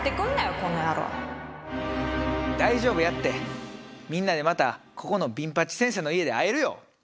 大丈夫やってみんなでまたここのビン八先生の家で会えるよ。